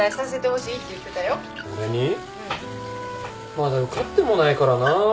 まだ受かってもないからな。